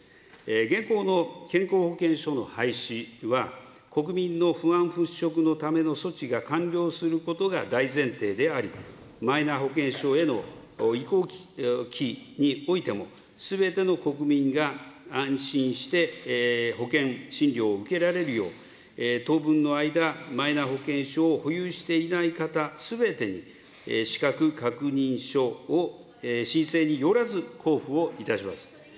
現行の健康保険証の廃止は、国民の不安払拭のための措置が完了することが大前提であり、マイナ保険証への移行期においても、すべての国民が安心して保険診療を受けられるよう、当分の間、マイナ保険証を保有していない方すべてに、資格確認書を申請によらず交付をいたします。